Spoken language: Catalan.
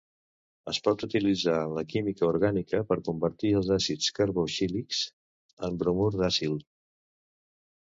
Es pot utilitzar en la química orgànica per convertir els àcids carboxílics en bromur d'acil.